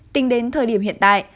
tính đến thời điểm hiện tại